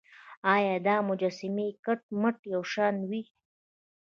ایا دا مجسمې کټ مټ یو شان وې.